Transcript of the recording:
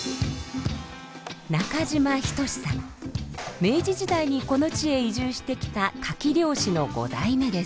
明治時代にこの地へ移住してきたカキ漁師の五代目です。